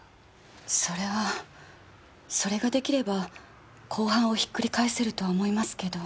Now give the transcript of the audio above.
それはそれができれば公判をひっくり返せるとは思いますけど。